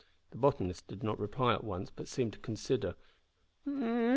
The botanist did not reply at once, but seemed to consider.